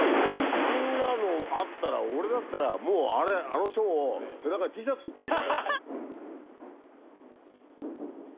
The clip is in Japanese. あんなのあったら俺だったらもうあの書を背中にＴシャツ作ってるぜ。